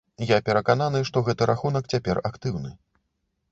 Я перакананы, што гэты рахунак цяпер актыўны.